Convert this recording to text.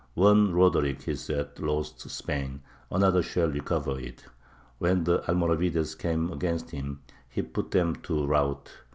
"One Roderick," he said, "lost Spain; another shall recover it." When the Almoravides came against him, he put them to rout.